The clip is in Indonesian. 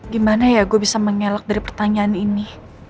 gimana ya gue bisa mengelak dari pertanyaan ini